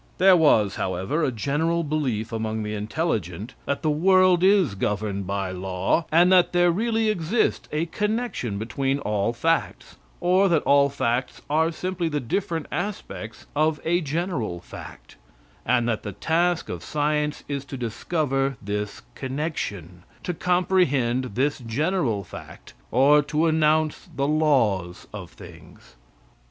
There was, however, a general belief among the intelligent that the world is governed by law, and that there really exists a connection between all facts, or that all facts are simply the different aspects of a general fact, and that the task of science is to discover this connection; to comprehend this general fact or to announce the laws of things.